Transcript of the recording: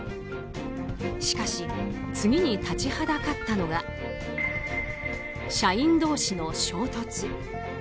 しかし、次に立ちはだかったのが社員同士の衝突。